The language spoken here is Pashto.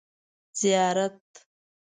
ـ زیارت.